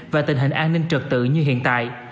và tình hình an ninh trật tự như hiện tại